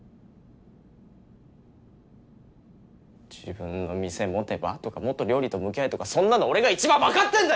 「自分の店持てば？」とか「もっと料理と向き合え」とかそんなの俺が一番分かってんだよ！